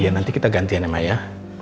iya nanti kita gantian emak ya